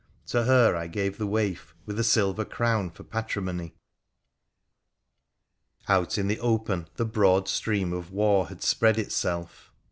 To her I gave the waif, with a silver crown for patrimony. Out in the open the broad stream of war had spread itself.